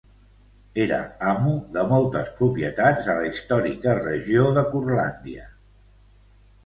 Era amo de moltes propietats a la històrica regió de Curlàndia.